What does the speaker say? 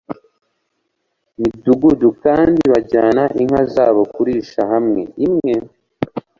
midugudu, kandi bajyana inka zabo kurisha hamwe. imwe